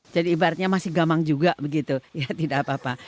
jadi ibaratnya masih gamang juga begitu ya tidak apa apa